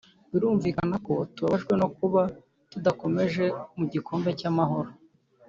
Birumvikana ko tubabajwe no kuba tudakomeje mu gikombe cy’Amahoro